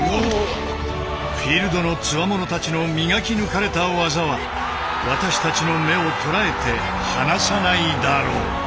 フィールドのつわものたちの磨き抜かれた技は私たちの目を捉えて離さないだろう。